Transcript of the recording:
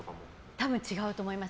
多分、違うと思います。